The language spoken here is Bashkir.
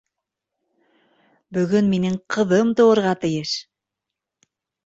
Бөгөн минең ҡыҙым тыуырға тейеш!